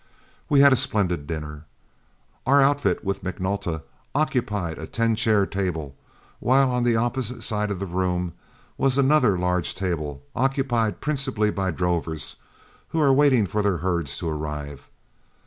We had a splendid dinner. Our outfit, with McNulta, occupied a ten chair table, while on the opposite side of the room was another large table, occupied principally by drovers who were waiting for their herds to arrive.